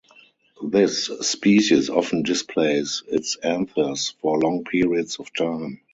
This species often displays its anthers for long periods of time.